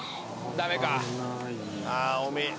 ダメか。